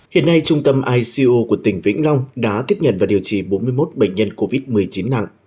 hiện nay trung tâm ico của tỉnh vĩnh long đã tiếp nhận và điều trị bốn mươi một bệnh nhân covid một mươi chín nặng